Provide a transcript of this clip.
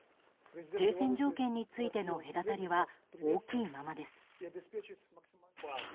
停戦条件についての隔たりは大きいままです。